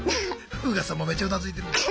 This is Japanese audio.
フーガさんもめっちゃうなずいてる。